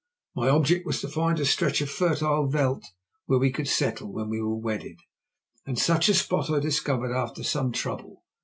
My object was to find a stretch of fertile veld where we could settle when we were wedded, and such a spot I discovered after some trouble.